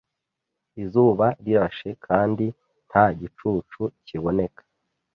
Izuba rirashe kandi nta gicucu kiboneka.